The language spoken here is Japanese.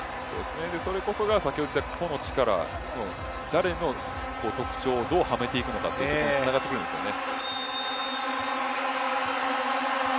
それこそが先ほど言った、個の力の誰の特徴をどうはめていくのかにつながってくるんですよね。